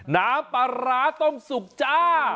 น้ำปลาร้าต้มสุกจ้า